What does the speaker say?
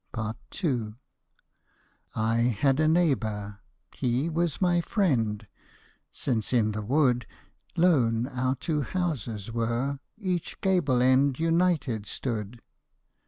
II I had a neighbour — he was my friend. Since in the wood Lone our two houses were^ each gable end United stood.